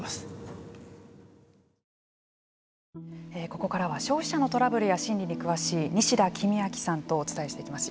ここからは消費者のトラブルや心理に詳しい西田公昭さんとお伝えしていきます。